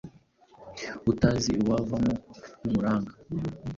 Utazi uwavamo n’umuranga!